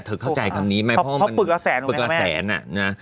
เธอเข้าใจคำนี้ไหมเพราะปลึกว่าแสนปลึกว่าแสนอ่ะนะฮะ